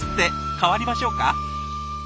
代わりましょうか？